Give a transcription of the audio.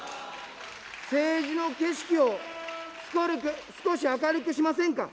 政治の景色を、少し明るくしませんか。